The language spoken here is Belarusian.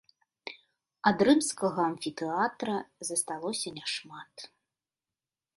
Ад рымскага амфітэатра засталося няшмат.